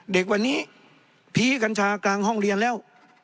เด็กวันนี้ผีกัญชากลางห้องเรียนแล้ว